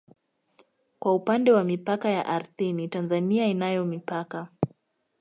Kwa upande wa mipaka ya ardhini Tanzania inayo mipaka